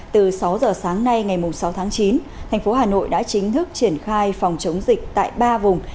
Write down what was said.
từ sáu giờ sáng nay ngày sáu tháng chín thành phố hà nội đã chính thức triển khai phòng chống dịch tại ba vùng